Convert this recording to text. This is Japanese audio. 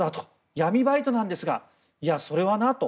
闇バイトなんですがいや、それはなと。